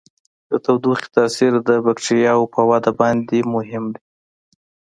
د تودوخې تاثیر د بکټریاوو په وده باندې مهم دی.